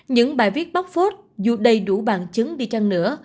những bài viết bóc phốt dù đầy đủ bằng chứng đi chăng nữa